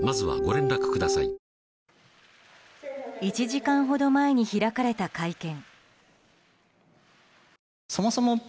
１時間ほど前に開かれた会見。